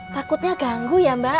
takutnya ganggu ya mbak